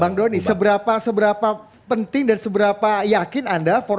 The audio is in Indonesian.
bang doni seberapa penting dan seberapa yakin anda